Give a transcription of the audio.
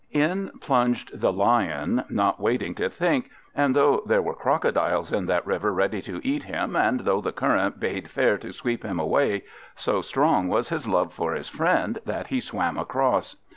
In plunged the Lion, not waiting to think; and though there were crocodiles in that river ready to eat him, and though the current bade fair to sweep him away, so strong was his love for his friend that he swam across.